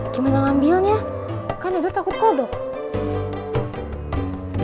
gimana ngambilnya kan edward takut kodok